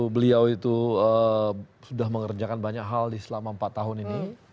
beliau itu sudah mengerjakan banyak hal selama empat tahun ini